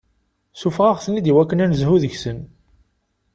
Ssufeɣ-aɣ-ten-id iwakken ad n-nezhu deg-sen.